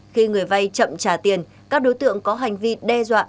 khi người vay chậm trả tiền các đối tượng có hành vi đe dọa